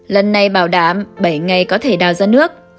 lần này bảo đảm bảy ngày có thể đào ra nước